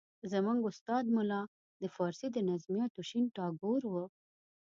زموږ استاد ملا د فارسي د نظمیاتو شین ټاګور وو.